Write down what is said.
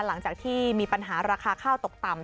หลังจากที่มีปัญหาราคาข้าวตกต่ำ